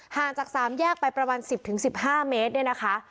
ห่างจากสามแยกไปประมาณสิบถึงสิบห้าเมตรเนี่ยนะคะ